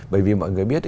bởi vì mọi người biết